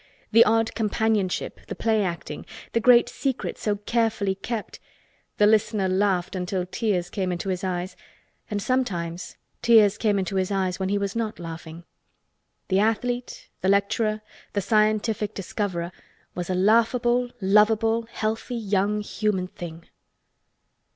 The odd companionship, the play acting, the great secret so carefully kept. The listener laughed until tears came into his eyes and sometimes tears came into his eyes when he was not laughing. The Athlete, the Lecturer, the Scientific Discoverer was a laughable, lovable, healthy young human thing.